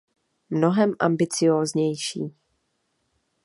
Mnohem ambicióznější.